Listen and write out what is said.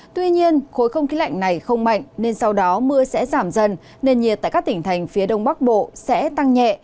tuy nhiên khối không khí lạnh này không mạnh nên sau đó mưa sẽ giảm dần nền nhiệt tại các tỉnh thành phía đông bắc bộ sẽ tăng nhẹ